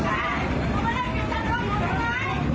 สวัสดีครับคุณผู้ชาย